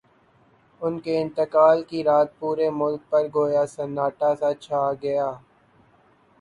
ان کے انتقال کی رات پورے ملک پر گویا سناٹا سا چھا گیا۔